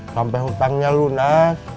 sampai hutangnya lunas